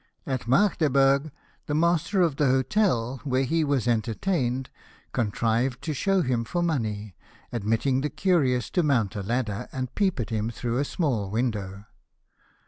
At Magdeburg the master of the hotel where he was entertained contrived to show him for money, admitting the curious to mount a ladder, and peep at him through a small window.